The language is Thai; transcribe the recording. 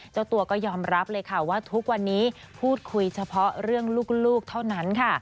เจ้าตัวก็ยอมรับเลยค่ะว่าทุกวันนี้พูดคุยเฉพาะเรื่องลูกเท่านั้นค่ะ